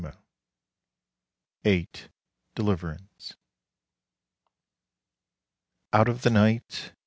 VIII. DELIVERANCE Out of the Night!